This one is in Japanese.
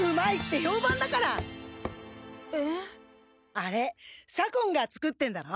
あれ左近が作ってんだろ？